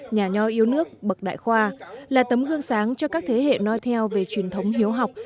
nhà nho yêu nước bậc đại khoa là tấm gương sáng cho các thế hệ nói theo về truyền thống hiếu học